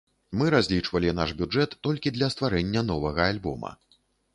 Мы разлічвалі наш бюджэт толькі для стварэння новага альбома.